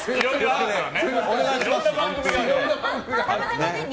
お願いします。